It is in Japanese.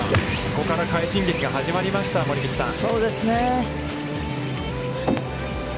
ここから快進撃が始まりました、森口さん。